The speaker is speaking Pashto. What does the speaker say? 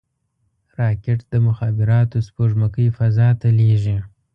راکټ د مخابراتو سپوږمکۍ فضا ته لیږي